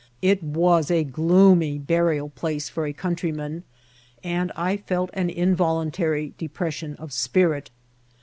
It was a gloomy burial place for a countryman, and I felt an involun tary depression of spirit.